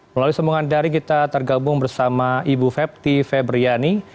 melalui sambungan dari kita tergabung bersama ibu fepti febriani